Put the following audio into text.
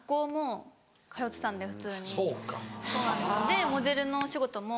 でモデルのお仕事も。